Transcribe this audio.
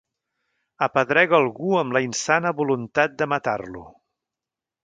Apedrega algú amb la insana voluntat de matar-lo.